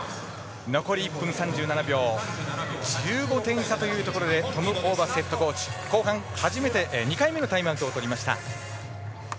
残り１分３７秒１５点差というところでトム・ホーバスヘッドコーチが後半初めて２回目のタイムアウトを取りました。